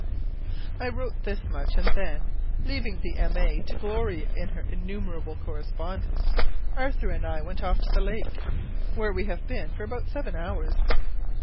I wrote this much, and then, leaving the M. A. to glory in her innumerable correspondence, Arthur and I went off to the lake, where we have been for about seven hours.